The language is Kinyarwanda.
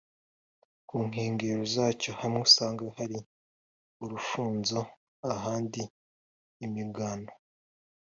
Ku nkengero zacyo hamwe usanga hari urufunzo, ahandi imigano,